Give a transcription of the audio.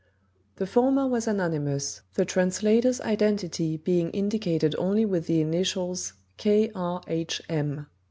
The former was anonymous, the translator's identity being indicated only with the initials "K. R. H. M."